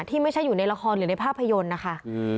ที่ไม่ใช่อยู่ในละครหรือในภาพยนตร์นะคะ